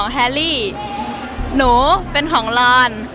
หนูเป็นของลอน